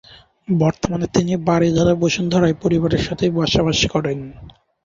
বর্তমানে তিনি বারিধারা, বসুন্ধরায় পরিবারের সাথেই বসবাস করেন।